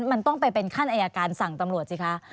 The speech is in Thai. มันต้องไปเป็นขั้นอายการสั่งตำรวจสิคะ